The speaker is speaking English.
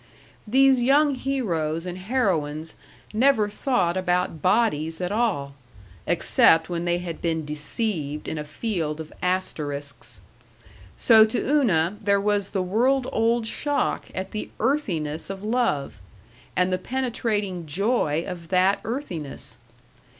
These young heroes and heroines never thought about bodies at all, except when they had been deceived in a field of asterisks. So to Una there was the world old shock at the earthiness of love and the penetrating joy of that earthiness.